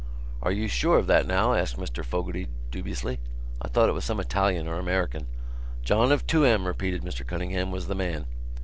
"Are you sure of that now?" asked Mr Fogarty dubiously. "I thought it was some Italian or American." "John of Tuam," repeated Mr Cunningham, "was the man."